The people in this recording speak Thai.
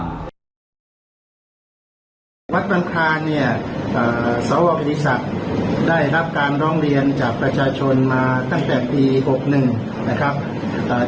วัดบรรพาเนี่ยสาวบ่ากิจสัตว์ได้รับการลองเรียนจากประชาชนมาตั้งแต่ปี๖๑นะครับ